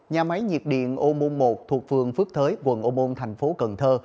nhà máy nhiệt điện ô môn một thuộc phường phước thới quận ô môn thành phố cần thơ